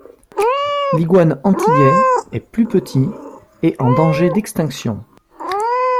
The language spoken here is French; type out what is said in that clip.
L'iguane antillais est plus petit et en danger d'extinction.